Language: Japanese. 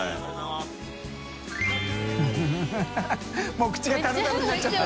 もう口がタルタルになっちゃった。